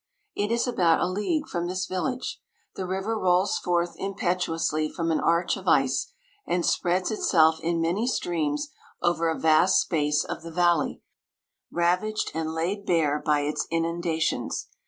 It is about a league from this village ; the river rolls forth impetuously from an arch of ice, and spreads itself in many streams over a vast space of the valley, ravaged and laid bare by its inundations.